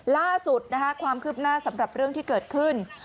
ล่าสุดความคืบหน้าสำหรับเรื่องที่เกิดขึ้น